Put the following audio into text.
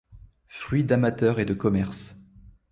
Fruit d'amateur et de commerce.